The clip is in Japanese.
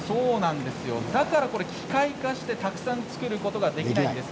だから機械化してたくさん作ることができないんです。